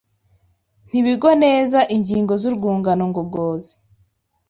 ntibigwa neza ingingo z’urwungano ngogozi